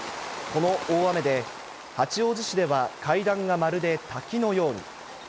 この大雨で、八王子市では階段がまるで滝のように。